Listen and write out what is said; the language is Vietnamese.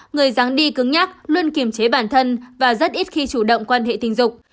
người dáng đi cứng nhắc luôn kiềm chế bản thân và rất ít khi chủ động quan hệ tình dục